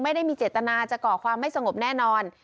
ไม่ได้มีเจตนาจะก่อความไม่สงบแน่นอน